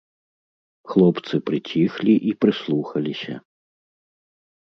Хлопцы прыціхлі і прыслухаліся.